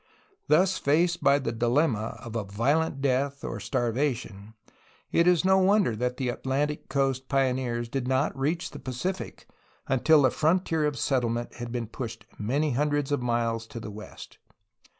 Thus faced by the dilemma of a violent death or starvation, it is no wonder that the Atlantic coast pioneers did not reach the Pacific until the frontier of settlement had been pushed many hundreds of miles to the west.